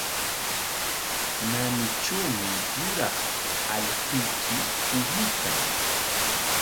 Naanitrawmi yuraq allquyki puñuykan.